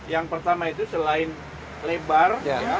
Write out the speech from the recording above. yang pertama itu selain lebar